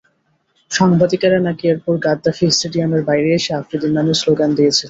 সাংবাদিকেরা নাকি এরপর গাদ্দাফি স্টেডিয়ামের বাইরে বসে আফ্রিদির নামে স্লোগান দিয়েছিলেন।